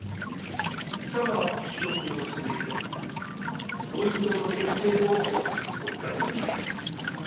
いかが仕置きをすべきかご一同の決定をお聞かせ願います。